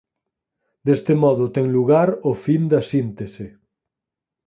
Deste modo ten lugar o fin da síntese.